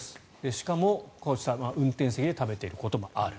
しかも、こうした運転席で食べていることもある。